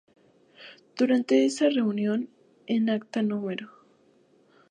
Durante esa reunión, en Acta No.